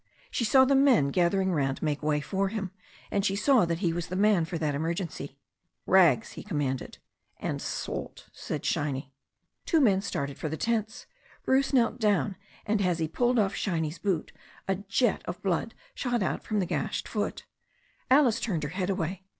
She saw the men gathered round make way for him, and she saw that he was the man for that emergency. "Rags," he commanded. "And salt," added Shiny. Two men started for the tents. Bruce knelt down, and as he pulled off Shiny's boot a jet of blood shot out from the gashed foot. Alice turned her head away.